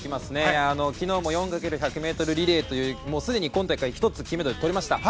昨日も４×１００ｍリレーというすでに今大会１つ金メダル取りました。